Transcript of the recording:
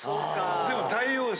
でも。